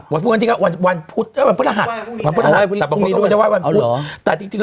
วันพุทธหลังของพรุ่งหน้าหัดแต่พวกเราจะว่าวันพุธ